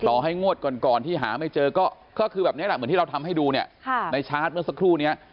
ให้งวดก่อนที่หาไม่เจอก็คือแบบนี้แหละเหมือนที่เราทำให้ดูเนี่ยในชาร์จเมื่อสักครู่นี้